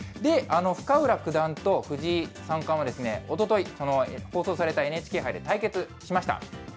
深浦九段と藤井三冠は、おととい放送されたＮＨＫ杯で対決しました。